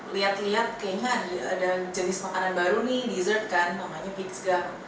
lihat lihat kayaknya ada jenis makanan baru nih dessert kan namanya peach gung